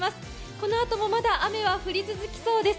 このあともまだ、雨は降り続きそうです。